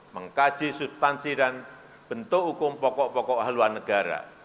mengkaji substansi dan bentuk hukum pokok pokok haluan negara